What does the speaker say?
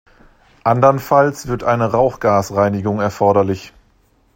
Andernfalls wird eine Rauchgasreinigung erforderlich.